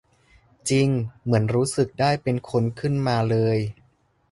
"จริง เหมือนรู้สึกได้เป็นคนขึ้นมาเลย"